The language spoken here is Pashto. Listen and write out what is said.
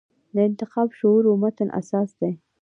د انتقادي شعور و متن اساس دی.